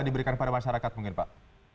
diberikan pada masyarakat mungkin pak